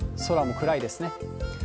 空も暗いですね。